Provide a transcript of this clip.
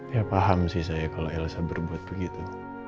ya paham sih saya kalau elsa berbuat begitu